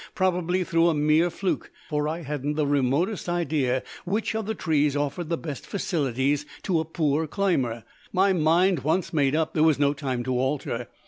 Probably through a mere fluke, for I hadn't the remotest idea which of the trees offered the best facilities to a poor climber. My mind once made up, there was no time to alter.